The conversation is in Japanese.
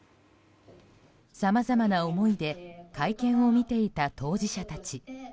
さまざまな思いで会見を見ていた当事者たち。